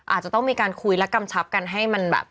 อาจจะต้องมีการคุยและกำชับกันให้มันแบบ